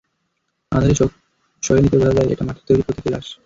আঁধারে চোখ সয়ে নিতে বোঝা যায়, এটা মাটির তৈরি প্রতীকী লাশ।